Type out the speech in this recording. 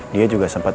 dia juga sempat